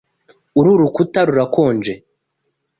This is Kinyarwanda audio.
Uru rukuta rurakonje.